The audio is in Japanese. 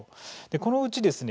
このうちですね